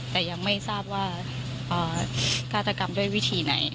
แต่ยังไม่ทราบว่าฆาตกรรมด้วยวิธีไหน